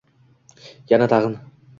Yana-tag‘in...